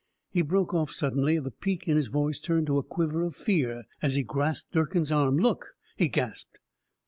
He broke off suddenly, the pique in his voice turned to a quiver of fear, as he grasped Durkin's arm. "Oh, look," he gasped.